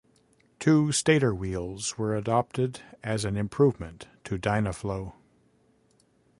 Two stator wheels were adopted as an improvement to Dynaflow.